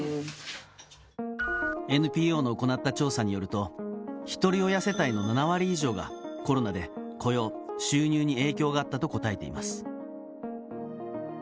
ＮＰＯの行った調査によると、ひとり親世帯の７割以上が、コロナで雇用・収入に影響があったと答えています。